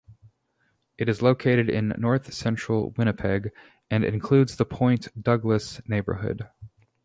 It is located in north-central Winnipeg, and includes the Point Douglas neighbourhood.